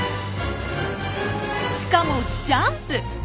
しかもジャンプ！